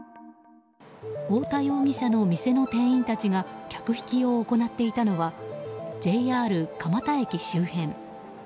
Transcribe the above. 大田容疑者の店の店員たちが客引きを行っていたのはＪＲ蒲田駅周辺。